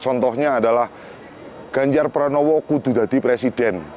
contohnya adalah ganjar pranowo kududadi presiden